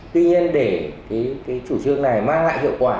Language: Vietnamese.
tuy nhiên để cái chủ trương này mang lại hiệu quả